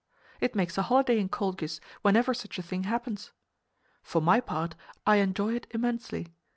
It makes a holiday in Colchis whenever such a thing happens. For my part, I enjoy it immensely.